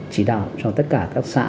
chỉ đạo cho tất cả các xã